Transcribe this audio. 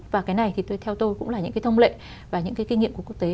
và cái này thì theo tôi cũng là những thông lệ và những kinh nghiệm của quốc tế